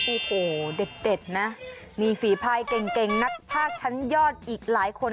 โอ้โหเด็ดนะมีฝีพายเก่งนักภาคชั้นยอดอีกหลายคน